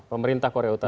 pemerintah korea utara